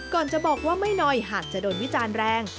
ก่อนจะบอกว่าไม่น่อยหันจะโดนวิจารย์แรง